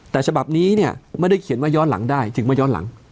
แต่ฉบับนี้เนี่ยไม่ได้เขียนว่าย้อนหลังได้ถึงมาย้อนหลัง